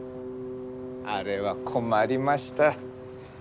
あれは困りました。